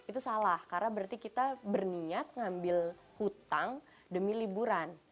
itu salah karena berarti kita berniat ngambil hutang demi liburan